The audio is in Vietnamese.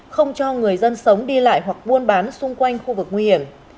không cho người dân sống đi lại hoặc buôn bán xung quanh khu vực nguy hiểm